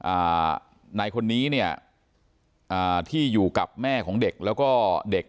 อ่านายคนนี้เนี่ยอ่าที่อยู่กับแม่ของเด็กแล้วก็เด็ก